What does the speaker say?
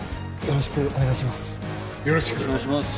よろしくよろしくお願いします